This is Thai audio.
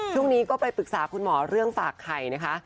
ช่วงนี้ก็ไปปรึกษาคุณหมอเรื่องฝากไข่นะคะ